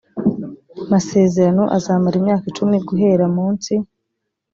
masezerano azamara imyaka icumi guhera munsi